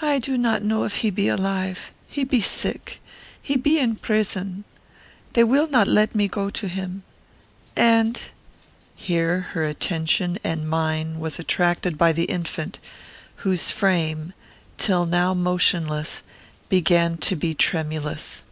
"I do not know if he be alive. He be sick. He be in prison. They will not let me go to him. And" here her attention and mine was attracted by the infant, whose frame, till now motionless, began to be tremulous.